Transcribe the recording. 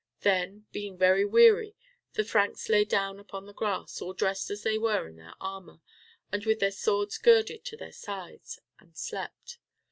Then, being very weary, the Franks lay down upon the grass, all dressed as they were in their armor, and with their swords girded to their sides, and slept.